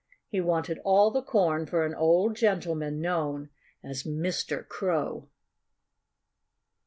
He wanted all the corn for an old gentleman known as Mr. Crow.